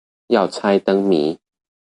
要猜燈謎